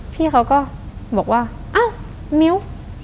พี่เขาก็บอกว่าอ้าวมิ้ว